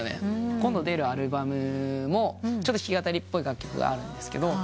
今度出るアルバムもちょっと弾き語りっぽい楽曲があるんですけど。